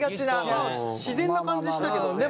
まあ自然な感じしたけどね。